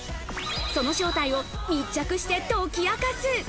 その正体を密着して解き明かす。